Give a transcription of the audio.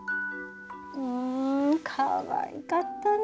うんかわいかったな